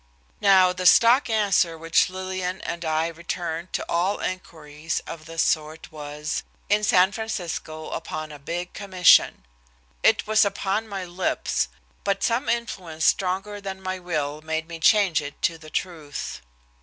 Now the stock answer which Lillian and I returned to all inquiries of this sort was "In San Francisco upon a big commission." It was upon my lips, but some influence stronger than my will made me change it to the truth.